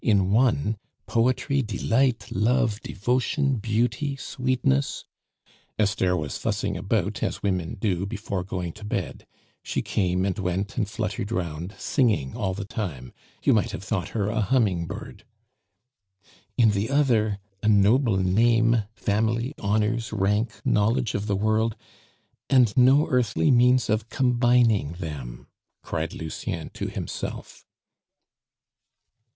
In one poetry, delight, love, devotion, beauty, sweetness " Esther was fussing about, as women do, before going to bed; she came and went and fluttered round, singing all the time; you might have thought her a humming bird. "In the other a noble name, family, honors, rank, knowledge of the world! And no earthly means of combining them!" cried Lucien to himself.